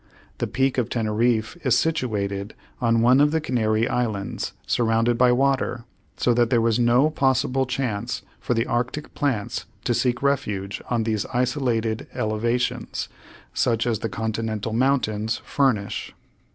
The Peak of Teneriffe is situated on one of the Canary Islands, surrounded by water, so that there was no possible chance for the arctic plants to seek refuge on these isolated elevations, such as the continental mountains furnish.